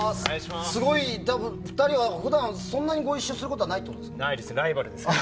２人は普段そんなにご一緒することはないんですか？